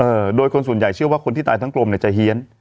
เออโดยคนส่วนใหญ่เชื่อว่าคนที่ตายทั้งกลมเนี่ยจะเฮียน